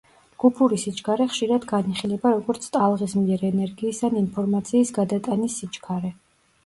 ჯგუფური სიჩქარე ხშირად განიხილება როგორც ტალღის მიერ ენერგიის ან ინფორმაციის გადატანის სიჩქარე.